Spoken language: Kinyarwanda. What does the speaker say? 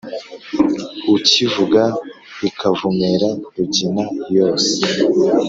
Ukivuga ikavumera Rugina yose